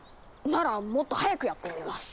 ならもっと速くやってみます。